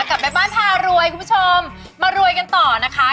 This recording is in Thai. กับแม่บ้านพารวยคุณผู้ชมมารวยกันต่อนะคะ